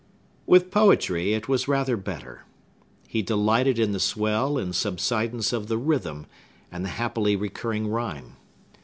With poetry it was rather better. He delighted in the swell and subsidence of the rhythm, and the happily recurring rhyme.